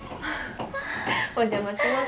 お邪魔します。